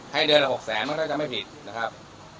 ให้เดินละ๖๐๐๐๐๐มักน่าจะไม่ผิดนะครับ